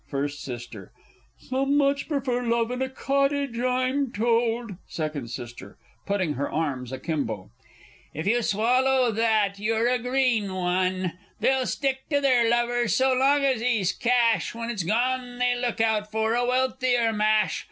First S. Some much prefer love in a cottage, I'm told. Second S. (putting her arms a kimbo). If you swallow that, you're a green one! They'll stick to their lover so long as he's cash, When it's gone, they look out for a wealthier mash.